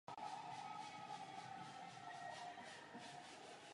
Dnes oběti připomínají památníky na hlavním náměstí.